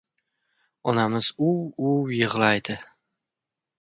Onamiz uvv-uvv yig‘laydi.